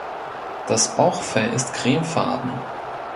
Das Bauchfell ist cremefarben.